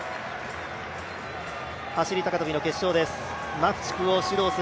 走高跳の決勝です。